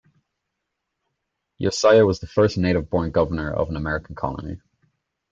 Josiah was the first native born governor of an American Colony.